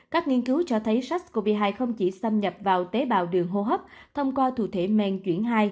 các nghiên cứu cho thấy sars cov hai không chỉ xâm nhập vào tế bào đường hô hấp thông qua thủ thể men chuyển hai